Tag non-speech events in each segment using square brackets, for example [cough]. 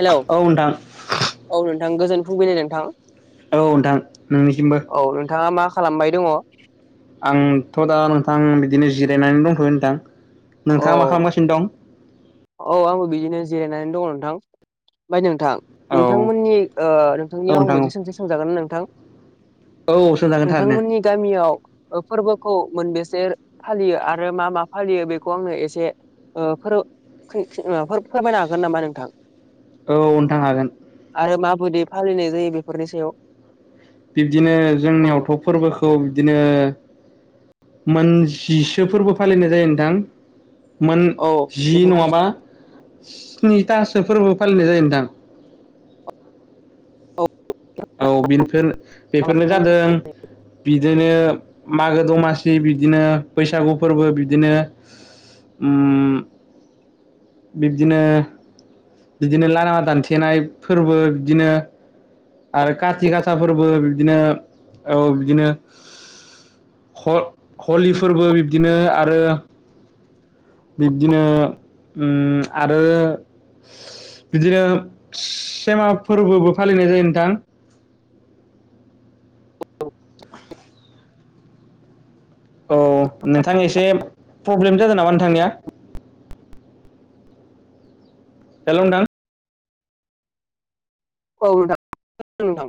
Hello औ नोंथां औ नोंथां गोजोन फुंबिलि नोंथां। औ नोंथां नोंनिसिमबो। औ नोंथाङा मा खालामबाय दङ'? आं थ' दा नोंथां बिदिनो जिरायनानै दंथ'यो नोंथां नोंथाङा मा खालामगासिनो दं? औ आंबो बिदिनो जिरायनानै दङ नोंथां ओमफ्राय नोंथां औ नोंथांमोननि ओ औ नोंथांनियाव नोंथां मोनसे सोंथि सोंजागोन ना नोंथां? औ सोंजागोन थारैनो नोंथांमोननि गामियाव ओ फोरबोखौ मोनबेसे फालियो आरो मा मा फालियो बेखौ आंनो एसे ओ फोर खै खि माबाफोर फोरमायनो हागोन नामा नोंथां? औ नोंथां हागोन। आरो माबोदि फालिनाय जायो बेफोरनि सायाव। बिब्दिनो औ जोंनियावथ' फोरबो खौ बिदिनो मोनजिसो फोरबो फालिनाय जायो नोंथां। मोन औ जि बेफोरखौ नङाबा स्निथासो फोरबो फालिनाय जायो नोंथां। औ औ बिरफोर बेफोरनो जादों बिदिनो मागो दमासि बिदिनो बैसागु फोरबो बिदिनो उम बिब्दिनो बिदिनो लामा दान्थेनाय फोरबो बिदिनो आरो खाति गासा फोरबो बिदिनो औ बिदिनो ह' हलि फोरबो बिब्दिनो आरो बिब्दिनो उम आरो बिदिनो सेमा फोरबोबो फालिनाय जायो नोंथां। अ नोंथां एसे प्रब्लेम नामा नोंथांनिया? हेलौ नोंथां। औ नोंथां [unintelligible] नोंथां।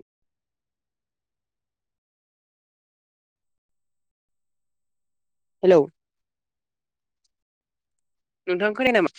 हेलौ। नोंथां खोनाया नामा?